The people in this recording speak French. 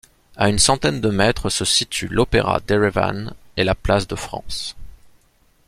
À une centaine de mètres se situent l'opéra d'Erevan et la place de France.